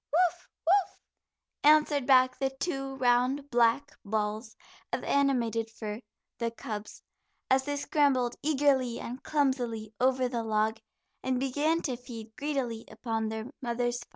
"Woof, woof," answered back the two round black balls of animated fur the cubs, as they scrambled eagerly and clumsily over the log, and began to feed greedily upon their mother's find.